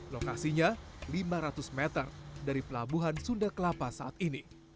lokasinya lima ratus meter dari pelabuhan sunda kelapa saat ini